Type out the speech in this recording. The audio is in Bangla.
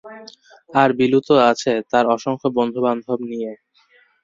আর বিলু তো আছে তার অসংখ্য বন্ধুবান্ধব নিয়ে।